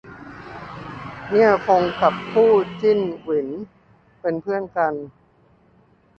เนี่ยฟงกับปู้จิ้งหวินเป็นเพื่อนกัน